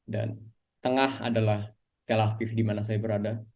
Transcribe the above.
dan tengah adalah tel aviv di mana saya berada